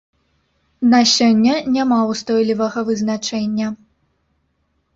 На сёння няма ўстойлівага вызначэння.